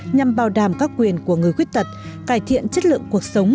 nhằm bảo đảm các quyền của người khuyết tật cải thiện chất lượng cuộc sống